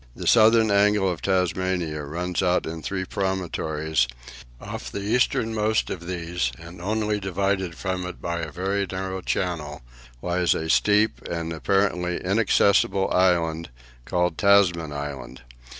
The southern angle of Tasmania runs out in three promontories; off the easternmost of these, and only divided from it by a very narrow channel, lies a steep and apparently inaccessible island, called Tasman Island.